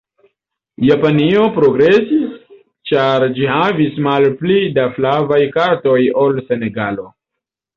Japanio progresis ĉar ĝi havis malpli da flavaj kartoj ol Senegalo.